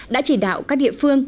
đã chỉ đạo các địa phương